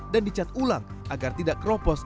dan dicat ulang agar tidak keropos